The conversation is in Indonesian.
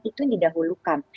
itu yang didahulukan